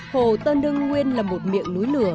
hồ tân đưng nguyên là một miệng núi lửa